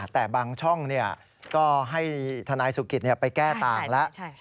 แต่บางช่องก็ให้ทนายสุกิตไปแก้ต่างแล้ว